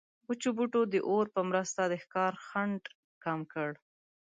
وچو بوټو د اور په مرسته د ښکار خنډ کم کړ.